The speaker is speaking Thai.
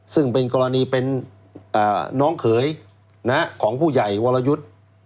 ซึ่งเป็นกรณีเป็นน้องเขยของผู้ใหญ่วรยุทธ์